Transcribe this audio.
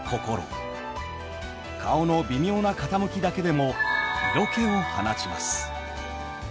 顔の微妙な傾きだけでも色気を放ちます。